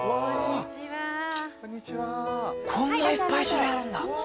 こんないっぱい種類あるんだ。